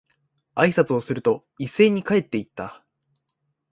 挨拶をすると、一斉に帰って行った。